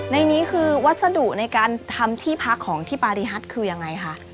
ในนี้คือวัสดุในการทำที่พักของธริพธิภารกิจคืออย่างไรคะ